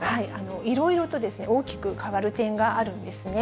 いろいろと大きく変わる点があるんですね。